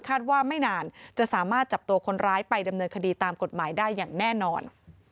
ว่าไม่นานจะสามารถจับตัวคนร้ายไปดำเนินคดีตามกฎหมายได้อย่างแน่นอน